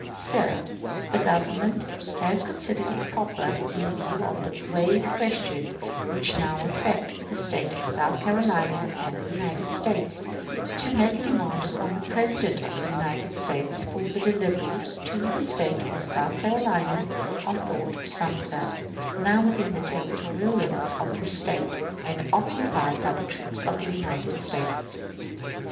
Sir: The Governor has considered it proper, in view of the grave questions which now affect the State of South Carolina and the United States, to make a demand upon the President of the United States for the delivery to the State of South Carolina of Fort Sumter, now within the territorial limits of this Sate and occupied by troops of the United States.